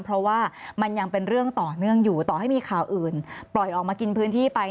เพราะว่ามันยังเป็นเรื่องต่อเนื่องอยู่ต่อให้มีข่าวอื่นปล่อยออกมากินพื้นที่ไป